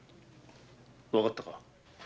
わかったか？